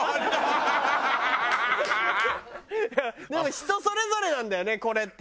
人それぞれなんだよねこれって。